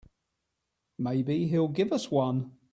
Maybe he'll give us one.